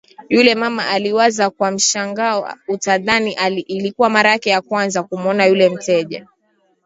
yule mama aliwaza kwa mshangao utadhani ilikuwa mara yake ya kwanza kumuona yule mteja